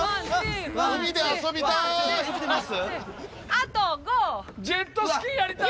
あと５！